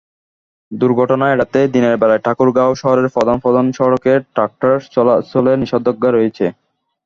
দুর্ঘটনা এড়াতে দিনের বেলায় ঠাকুরগাঁও শহরের প্রধান প্রধান সড়কে ট্রাক্টর চলাচলে নিষেধাজ্ঞা রয়েছে।